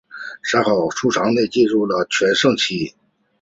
三好在畿内进入了全盛期。